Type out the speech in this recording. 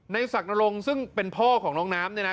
ศักดรงค์ซึ่งเป็นพ่อของน้องน้ำเนี่ยนะ